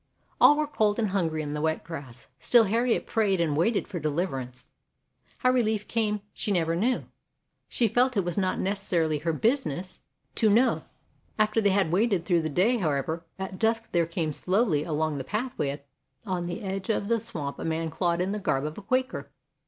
All were cold and hungry in the wet grass; still Harriet prayed and waited for deliver ance. How relief came she never knew; she felt that it was not necessarily her business HARRIET TUBMAN 35 to know. After they had waited through the day, however, at dusk there came slowly along the pathway on the edge of the swamp a man clad in the garb of a Quaker.